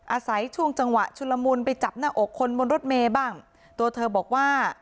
อาศัยช่วงจังหวะชุลมุนไปจับหน้าอกคนบนรถเมย์บ้างตัวเธอบอกว่า